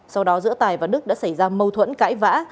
sau đó giữa tài và đức đã xảy ra mâu thuẫn cãi vã